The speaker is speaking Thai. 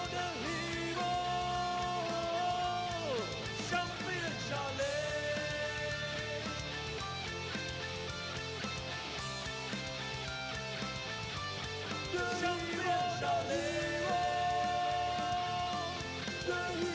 กันต่อแพทย์จินดอร์